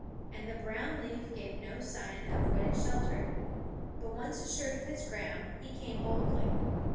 And the brown leaf gave no sign of what it sheltered. But once assured of his ground, he came boldly.